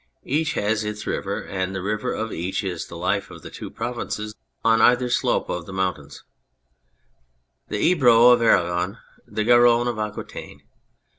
Each has its river, and the river of each is the life of the two provinces on either slope of the mountains ; the Ebro of Aragon, the Garonne of Aquitaine.